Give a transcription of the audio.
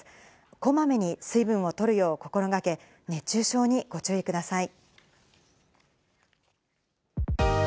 こまめに水分を取るよう心がけ熱中症にご注意ください。